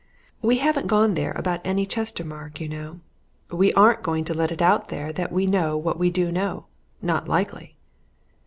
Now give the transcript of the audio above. We haven't gone there about any Chestermarke, you know we aren't going to let it out there that we know what we do know not likely!"